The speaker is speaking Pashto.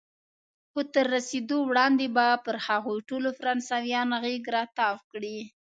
خو تر رسېدو وړاندې به پر هغوی ټولو فرانسویان غېږ را تاو کړي.